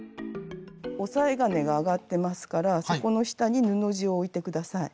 押さえ金が上がってますからそこの下に布地を置いて下さい。